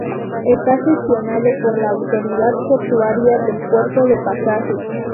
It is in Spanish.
Está gestionado por la autoridad portuaria del puerto de Pasajes.